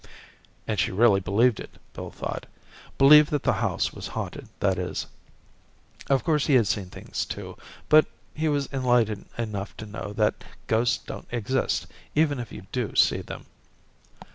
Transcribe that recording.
And she really believed it, Bill thought. Believed that the house was haunted, that is. Of course he had seen things too but he was enlightened enough to know that ghosts don't exist, even if you do see them.